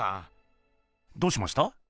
どうしました？